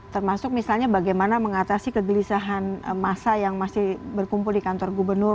termasuk misalnya bagaimana mengatasi kegelisahan masa yang masih berkumpul di kantor gubernur